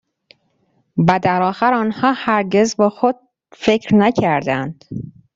و در آخر آنها هرگز با خود فکر نکرده اند